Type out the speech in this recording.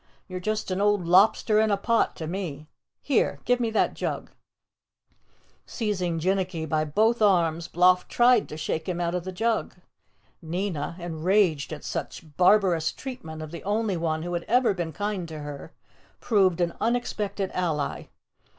"You're just an old lobster in a pot to me. Here, give me that jug!" Seizing Jinnicky by both arms, Bloff tried to shake him out of the jug. Nina, enraged at such barbarous treatment of the only one who had ever been kind to her, proved an unexpected ally.